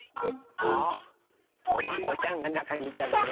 あトマトちゃんがなかにいたのね。